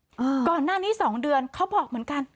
อ่าก่อนหน้านี้สองเดือนเขาบอกเหมือนกัน